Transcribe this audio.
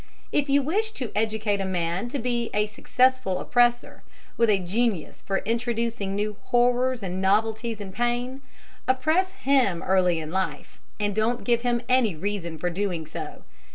] If you wish to educate a man to be a successful oppressor, with a genius for introducing new horrors and novelties in pain, oppress him early in life and don't give him any reason for doing so.